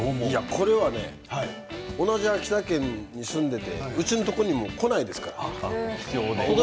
これはね同じ秋田県に住んでいてうちのところにも届いてこないですから。